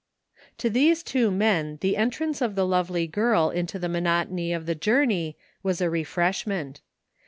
To these two men the entrance of the lovely girl into the monotony of the journey was a refreshment.